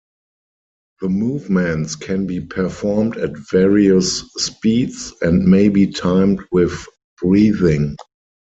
The movements can be performed at various speeds and may be timed with breathing.